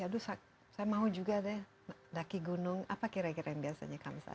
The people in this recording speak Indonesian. aduh saya mau juga deh daki gunung apa kira kira yang biasanya kansa